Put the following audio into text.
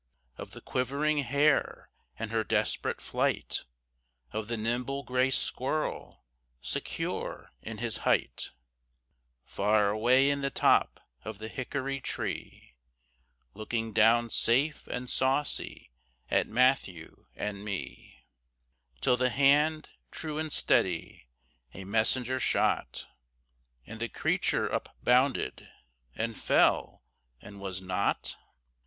Of the quivering hare and her desperate flight, Of the nimble gray squirrel secure in his height, Far away in the top of the hickory tree, Looking down safe and saucy at Matthew and me, Till the hand, true and steady, a messenger shot, And the creature upbounded, and fell, and was not?